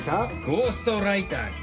ゴーストライターに。